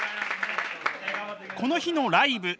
この日のライブ持ち